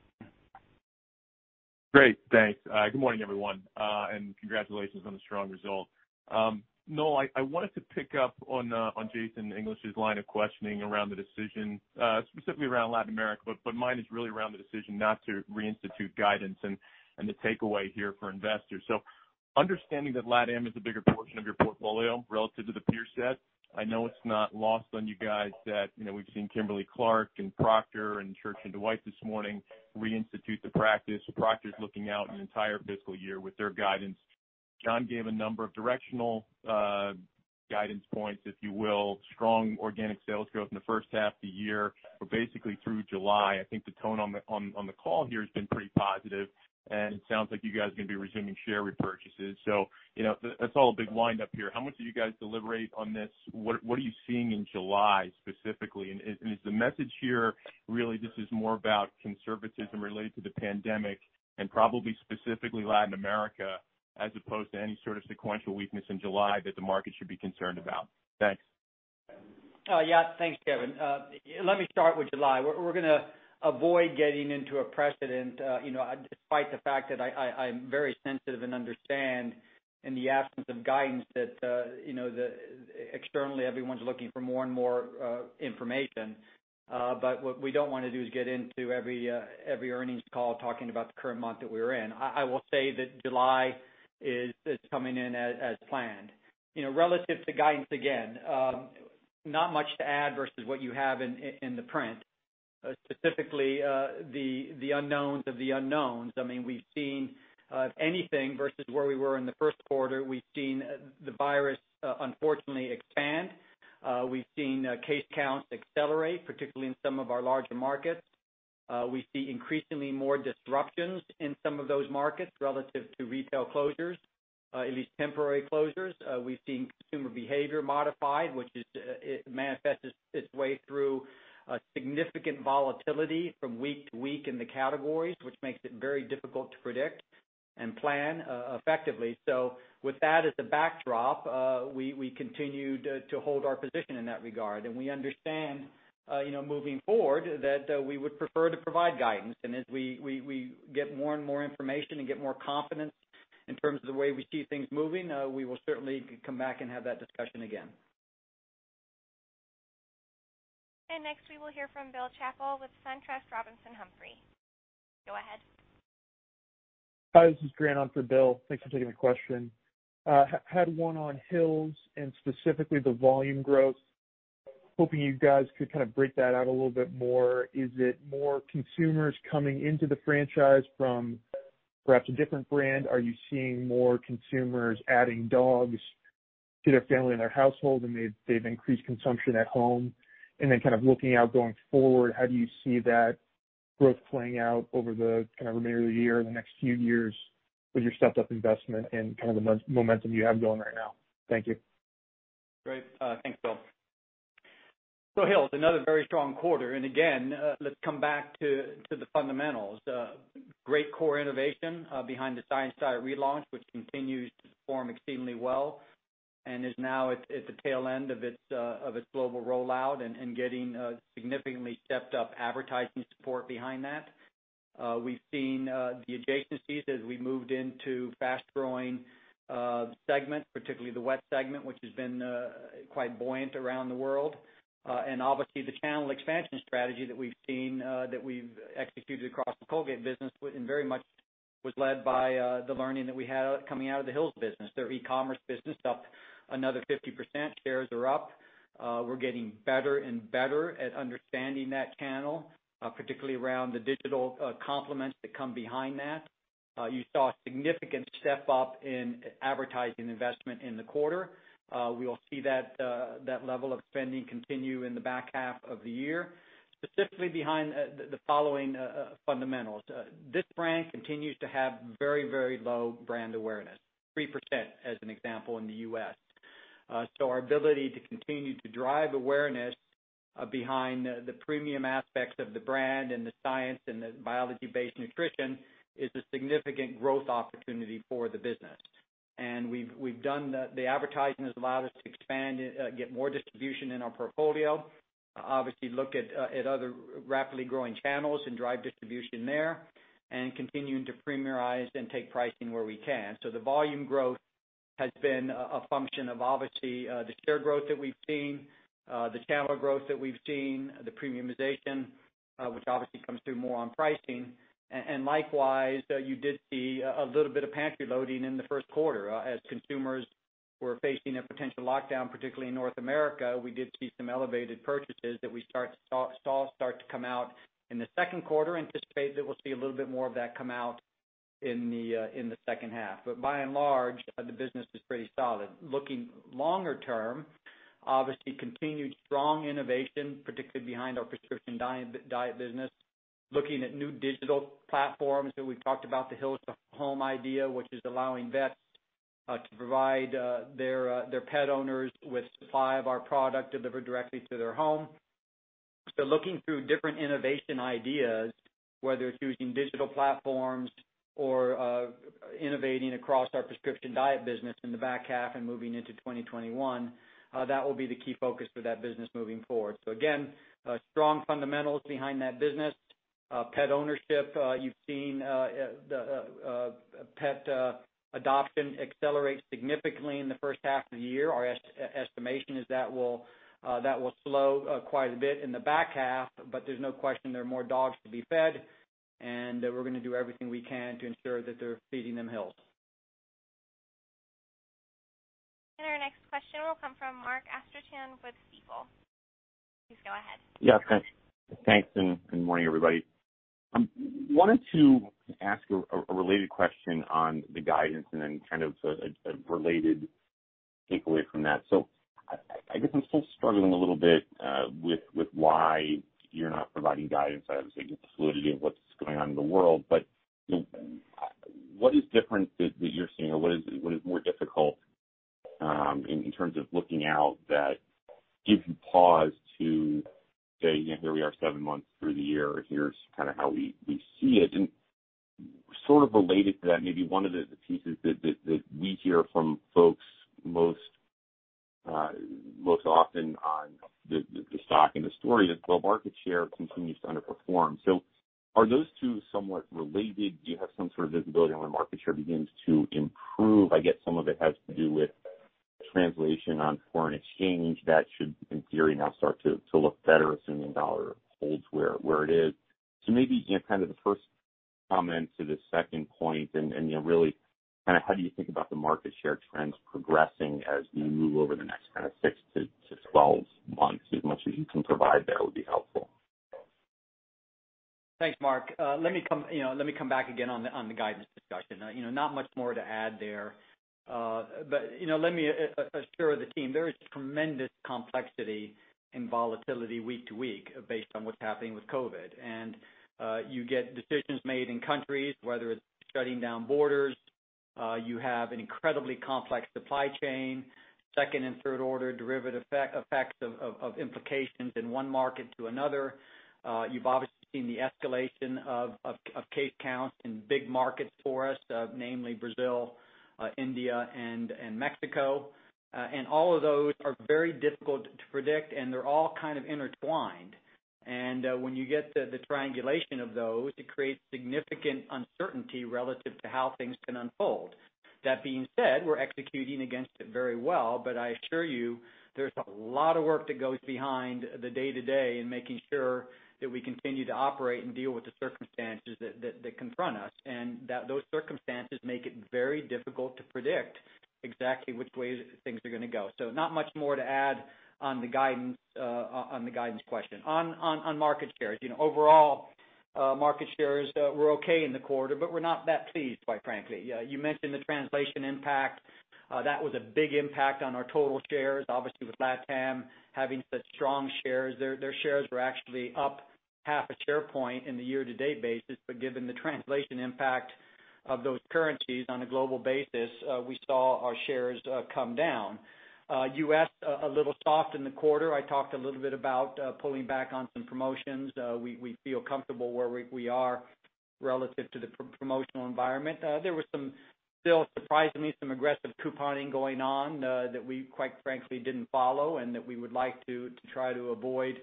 Great. Thanks. Good morning, everyone, and congratulations on the strong result. Noel, I wanted to pick up on Jason English's line of questioning around the decision, specifically around LatAm, but mine is really around the decision not to reinstitute guidance and the takeaway here for investors. Understanding that LatAm is a bigger portion of your portfolio relative to the peer set, I know it's not lost on you guys that we've seen Kimberly-Clark and Procter and Church & Dwight this morning reinstitute the practice. Procter's looking out an entire fiscal year with their guidance. John gave a number of directional guidance points, if you will, strong organic sales growth in the first half of the year, but basically through July. I think the tone on the call here has been pretty positive, and it sounds like you guys are going to be resuming share repurchases. That's all a big wind-up here. How much have you guys deliberated on this? What are you seeing in July specifically? Is the message here really this is more about conservatism related to the pandemic and probably specifically Latin America, as opposed to any sort of sequential weakness in July that the market should be concerned about? Thanks. Yeah. Thanks, Kevin. Let me start with July. We're going to avoid getting into a precedent despite the fact that I'm very sensitive and understand in the absence of guidance that externally everyone's looking for more and more information. What we don't want to do is get into every earnings call talking about the current month that we're in. I will say that July is coming in as planned. Relative to guidance, again, not much to add versus what you have in the print. Specifically, the unknowns of the unknowns. We've seen anything versus where we were in the first quarter. We've seen the virus unfortunately expand. We've seen case counts accelerate, particularly in some of our larger markets. We see increasingly more disruptions in some of those markets relative to retail closures, at least temporary closures. We've seen consumer behavior modified, which manifests its way through significant volatility from week to week in the categories, which makes it very difficult to predict and plan effectively. With that as a backdrop, we continue to hold our position in that regard. We understand, moving forward, that we would prefer to provide guidance. As we get more and more information and get more confidence in terms of the way we see things moving, we will certainly come back and have that discussion again. Next we will hear from Bill Chappell with SunTrust Robinson Humphrey. Go ahead. Hi, this is Grant on for Bill. Thanks for taking the question. Had one on Hill's and specifically the volume growth. Hoping you guys could kind of break that out a little bit more. Is it more consumers coming into the franchise from perhaps a different brand? Are you seeing more consumers adding dogs to their family and their household, and they've increased consumption at home? Kind of looking out going forward, how do you see that growth playing out over the remainder of the year or the next few years with your stepped up investment and the momentum you have going right now? Thank you. Great. Thanks, Bill. Hill's, another very strong quarter. Again, let's come back to the fundamentals. Great core innovation behind the Science Diet relaunch, which continues to perform exceedingly well and is now at the tail end of its global rollout and getting significantly stepped up advertising support behind that. We've seen the adjacencies as we moved into fast-growing segments, particularly the wet segment, which has been quite buoyant around the world. Obviously the channel expansion strategy that we've seen, that we've executed across the Colgate business and very much was led by the learning that we had coming out of the Hill's business. Their e-commerce business up another 50%, shares are up. We're getting better and better at understanding that channel, particularly around the digital complements that come behind that. You saw a significant step up in advertising investment in the quarter. We will see that level of spending continue in the back half of the year, specifically behind the following fundamentals. This brand continues to have very, very low brand awareness, 3% as an example in the U.S. Our ability to continue to drive awareness behind the premium aspects of the brand and the science and the biology-based nutrition is a significant growth opportunity for the business. The advertising has allowed us to expand, get more distribution in our portfolio. Obviously, look at other rapidly growing channels and drive distribution there, and continuing to premiumize and take pricing where we can. The volume growth has been a function of obviously the share growth that we've seen, the channel growth that we've seen, the premiumization, which obviously comes through more on pricing. Likewise, you did see a little bit of pantry loading in the first quarter. As consumers were facing a potential lockdown, particularly in North America, we did see some elevated purchases that we saw start to come out in the second quarter. Anticipate that we'll see a little bit more of that come out in the second half. By and large, the business is pretty solid. Looking longer term, obviously continued strong innovation, particularly behind our Prescription Diet business. Looking at new digital platforms that we've talked about, the Hill's to Home idea, which is allowing vets to provide their pet owners with supply of our product delivered directly to their home. Looking through different innovation ideas, whether it's using digital platforms or innovating across our Prescription Diet business in the back half and moving into 2021, that will be the key focus for that business moving forward. Again, strong fundamentals behind that business. Pet ownership, you've seen pet adoption accelerate significantly in the first half of the year. Our estimation is that will slow quite a bit in the back half, but there's no question there are more dogs to be fed, and we're gonna do everything we can to ensure that they're feeding them Hill's. Our next question will come from Mark Astrachan with Stifel. Please go ahead. Yes, thanks. Thanks and good morning, everybody. Wanted to ask a related question on the guidance and then kind of a related takeaway from that. I guess I'm still struggling a little bit with why you're not providing guidance. Obviously, get the fluidity of what's going on in the world, but what is different that you're seeing, or what is more difficult in terms of looking out that gives you pause to say, here we are seven months through the year. Here's kind of how we see it. Sort of related to that, maybe one of the pieces that we hear from folks most often on the stock and the story is, well, market share continues to underperform. Are those two somewhat related? Do you have some sort of visibility on when market share begins to improve? I guess some of it has to do with translation on foreign exchange that should, in theory, now start to look better, assuming dollar holds where it is. Maybe, kind of the first comment to the second point and really how do you think about the market share trends progressing as we move over the next 6-12 months? As much as you can provide there would be helpful. Thanks, Mark. Let me come back again on the guidance discussion. Not much more to add there. Let me assure the team, there is tremendous complexity and volatility week to week based on what's happening with COVID. You get decisions made in countries, whether it's shutting down borders. You have an incredibly complex supply chain, second and third order derivative effects of implications in one market to another. You've obviously seen the escalation of case counts in big markets for us, namely Brazil, India, and Mexico. All of those are very difficult to predict, and they're all kind of intertwined. When you get the triangulation of those, it creates significant uncertainty relative to how things can unfold. That being said, we're executing against it very well, but I assure you, there's a lot of work that goes behind the day-to-day in making sure that we continue to operate and deal with the circumstances that confront us, and those circumstances make it very difficult to predict exactly which way things are going to go. Not much more to add on the guidance question. On market shares, overall market shares were okay in the quarter, but we're not that pleased, quite frankly. You mentioned the translation impact. That was a big impact on our total shares, obviously with LATAM having such strong shares. Their shares were actually up half a share point in the year-to-date basis, but given the translation impact of those currencies on a global basis, we saw our shares come down. U.S., a little soft in the quarter. I talked a little bit about pulling back on some promotions. We feel comfortable where we are relative to the promotional environment. There was still, surprisingly, some aggressive couponing going on that we, quite frankly, didn't follow and that we would like to try to avoid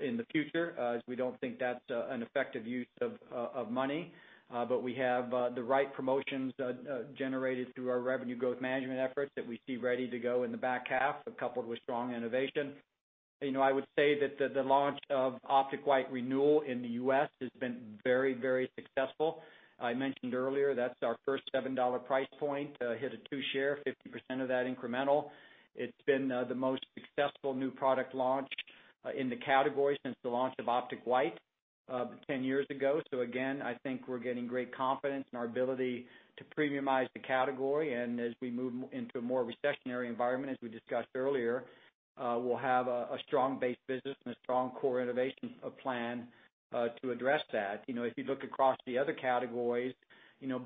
in the future, as we don't think that's an effective use of money. We have the right promotions generated through our revenue growth management efforts that we see ready to go in the back half, coupled with strong innovation. I would say that the launch of Optic White Renewal in the U.S. has been very successful. I mentioned earlier, that's our first $7 price point, hit a two share, 50% of that incremental. It's been the most successful new product launch in the category since the launch of Optic White 10 years ago. Again, I think we're getting great confidence in our ability to premiumize the category, and as we move into a more recessionary environment, as we discussed earlier, we'll have a strong base business and a strong core innovation plan to address that. If you look across the other categories,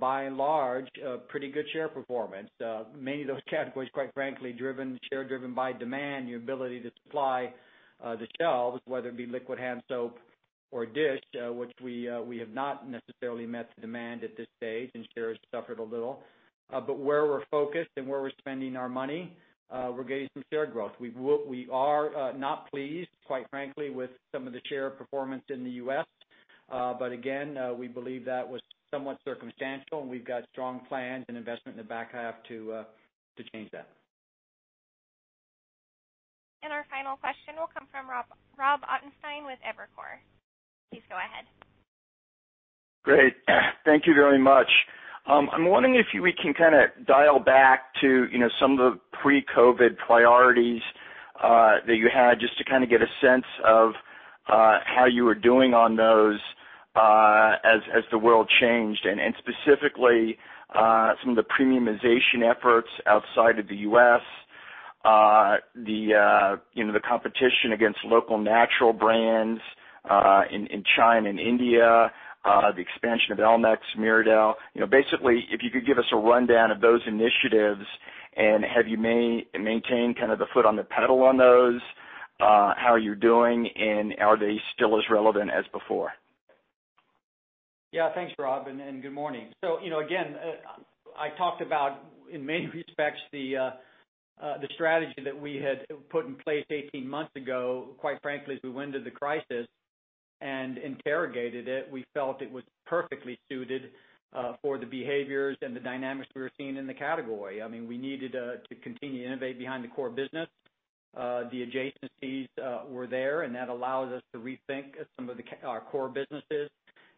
by and large, pretty good share performance. Many of those categories, quite frankly, share driven by demand, your ability to supply the shelves, whether it be liquid hand soap or dish, which we have not necessarily met the demand at this stage, and shares suffered a little. Where we're focused and where we're spending our money, we're getting some share growth. We are not pleased, quite frankly, with some of the share performance in the U.S. Again, we believe that was somewhat circumstantial, and we've got strong plans and investment in the back half to change that. Our final question will come from Rob Ottenstein with Evercore. Please go ahead. Great. Thank you very much. I'm wondering if we can kind of dial back to some of the pre-COVID priorities that you had, just to kind of get a sense of how you were doing on those as the world changed, and specifically some of the premiumization efforts outside of the U.S., the competition against local natural brands in China and India, the expansion of elmex, meridol. Basically, if you could give us a rundown of those initiatives, and have you maintained the foot on the pedal on those? How are you doing, and are they still as relevant as before? Yeah. Thanks, Rob, good morning. Again, I talked about, in many respects, the strategy that we had put in place 18 months ago. Quite frankly, as we went into the crisis and interrogated it, we felt it was perfectly suited for the behaviors and the dynamics we were seeing in the category. We needed to continue to innovate behind the core business. The adjacencies were there, and that allows us to rethink some of our core businesses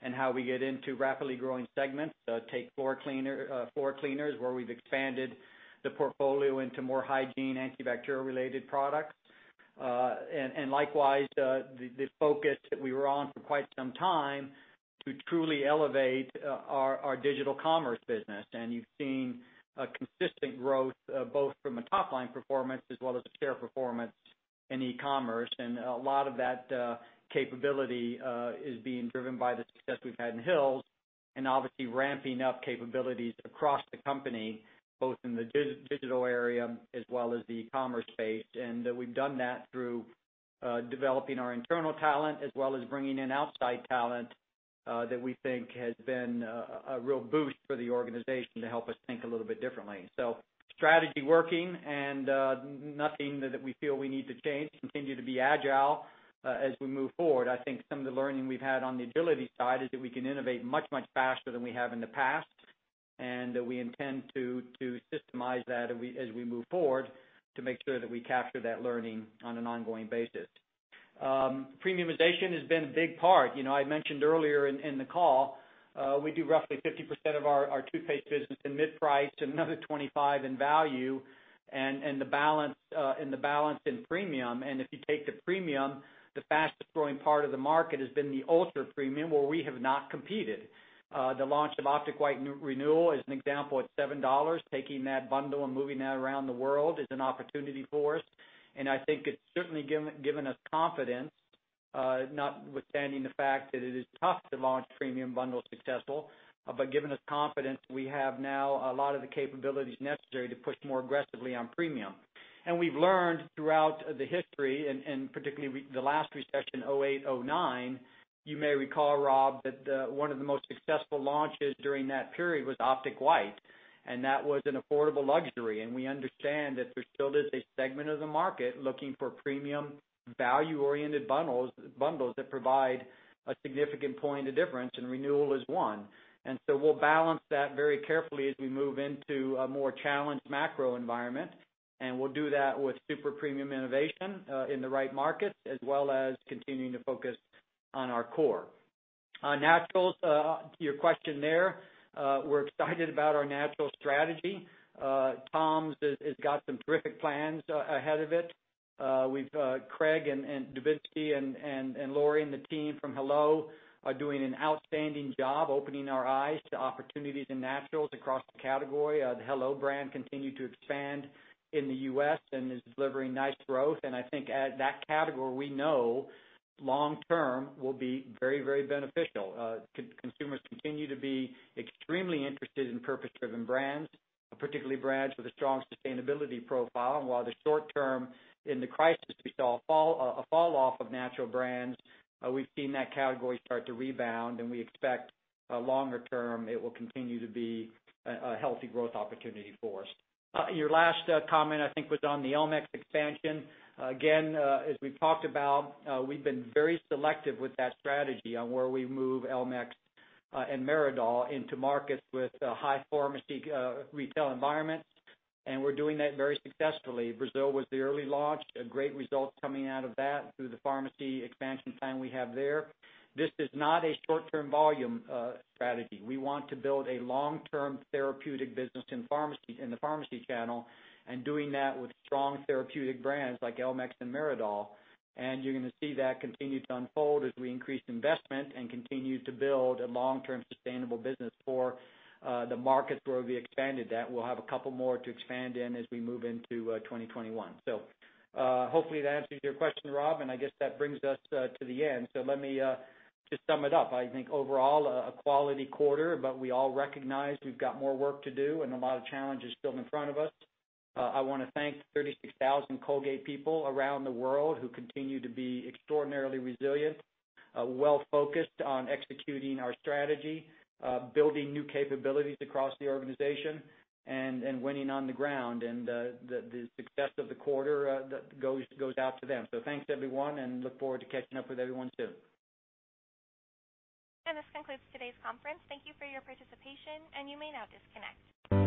and how we get into rapidly growing segments. Take floor cleaners, where we've expanded the portfolio into more hygiene, antibacterial-related products. Likewise, the focus that we were on for quite some time to truly elevate our digital commerce business. You've seen a consistent growth both from a top-line performance as well as a share performance in e-commerce. A lot of that capability is being driven by the success we've had in Hill's and obviously ramping up capabilities across the company, both in the digital area as well as the e-commerce space. We've done that through developing our internal talent as well as bringing in outside talent that we think has been a real boost for the organization to help us think a little bit differently. Strategy working and nothing that we feel we need to change. Continue to be agile as we move forward. I think some of the learning we've had on the agility side is that we can innovate much faster than we have in the past, and we intend to systemize that as we move forward to make sure that we capture that learning on an ongoing basis. Premiumization has been a big part. I mentioned earlier in the call, we do roughly 50% of our toothpaste business in mid-price, another 25% in value, and the balance in premium. If you take the premium, the fastest growing part of the market has been the ultra-premium, where we have not competed. The launch of Optic White Renewal is an example at $7. Taking that bundle and moving that around the world is an opportunity for us, and I think it's certainly given us confidence, notwithstanding the fact that it is tough to launch premium bundles successful. Given us confidence we have now a lot of the capabilities necessary to push more aggressively on premium. We've learned throughout the history, and particularly the last recession, 2008, 2009, you may recall, Rob, that one of the most successful launches during that period was Optic White, and that was an affordable luxury. We understand that there still is a segment of the market looking for premium value-oriented bundles that provide a significant point of difference, and renewal is one. We'll balance that very carefully as we move into a more challenged macro environment. We'll do that with super premium innovation in the right markets, as well as continuing to focus on our core. Naturals, to your question there, we're excited about our natural strategy. Tom's has got some terrific plans ahead of it. Craig Dubitsky and Lauri and the team from hello are doing an outstanding job opening our eyes to opportunities in naturals across the category. The hello brand continued to expand in the U.S. and is delivering nice growth. I think that category, we know long term will be very beneficial. Consumers continue to be extremely interested in purpose-driven brands, particularly brands with a strong sustainability profile. While the short term in the crisis, we saw a fall off of natural brands, we've seen that category start to rebound, and we expect longer term, it will continue to be a healthy growth opportunity for us. Your last comment, I think, was on the elmex expansion. As we've talked about, we've been very selective with that strategy on where we move elmex and meridol into markets with high pharmacy Retail Environments, and we're doing that very successfully. Brazil was the early launch. Great results coming out of that through the pharmacy expansion plan we have there. This is not a short-term volume strategy. We want to build a long-term therapeutic business in the pharmacy channel and doing that with strong therapeutic brands like elmex and meridol. You're going to see that continue to unfold as we increase investment and continue to build a long-term sustainable business for the markets where we expanded that. We'll have a couple more to expand in as we move into 2021. Hopefully that answers your question, Rob, and I guess that brings us to the end. Let me just sum it up. I think overall, a quality quarter, but we all recognize we've got more work to do and a lot of challenges still in front of us. I want to thank the 36,000 Colgate people around the world who continue to be extraordinarily resilient, well-focused on executing our strategy, building new capabilities across the organization, and winning on the ground. The success of the quarter goes out to them. Thanks, everyone, and look forward to catching up with everyone soon. This concludes today's conference. Thank you for your participation, and you may now disconnect.